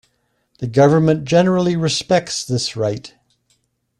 The government generally respects this right.